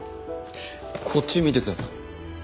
こっち見てください。